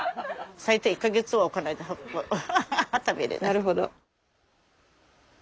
なるほど。